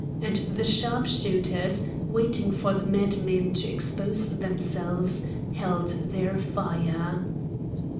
And the sharp shooters, waiting for the madmen to expose themselves, held their fire.